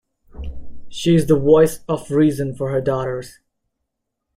She is the voice of reason for her daughters.